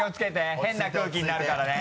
変な空気になるからね。